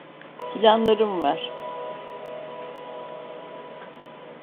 Planlarım var.